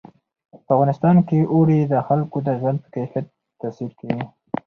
په افغانستان کې اوړي د خلکو د ژوند په کیفیت تاثیر کوي.